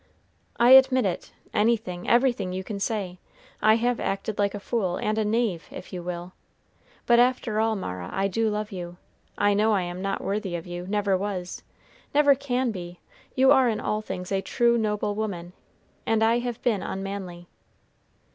"I admit it, anything, everything you can say. I have acted like a fool and a knave, if you will; but after all, Mara, I do love you. I know I am not worthy of you never was never can be; you are in all things a true, noble woman, and I have been unmanly."